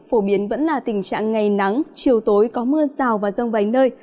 phổ biến vẫn là tình trạng ngày nắng chiều tối có mưa rào và rông vài nơi